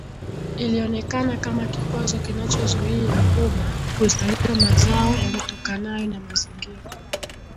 Ilionekana kama kikwazo kinachozuia umma kuzalisha mazao yatokanayo na mazingira